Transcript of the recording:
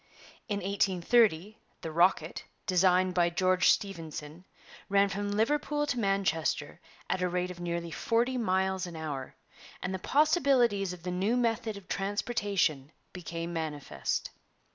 In 1830 the 'Rocket,' designed by George Stephenson, ran from Liverpool to Manchester at a rate of nearly forty miles an hour, and the possibilities of the new method of transportation became manifest.